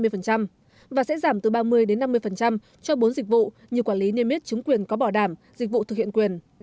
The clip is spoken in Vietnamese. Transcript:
và sẽ giảm từ ba mươi năm mươi cho bốn dịch vụ như quản lý niêm yết chứng quyền có bảo đảm dịch vụ thực hiện quyền